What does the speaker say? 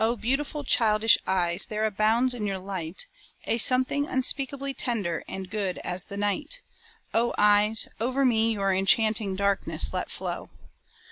beautiful childish eyes there abounds in your light, A something unspeakably tender and good as the night: O! eyes! over me your enchanting darkness let flow.